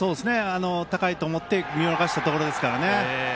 高いと思って見逃したところですからね。